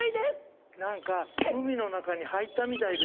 何か海の中に入ったみたいですね。